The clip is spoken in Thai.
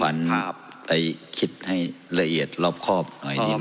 ท่านมิ่งขวัญไปคิดให้ละเอียดรอบคอบหน่อยดีไหมครับ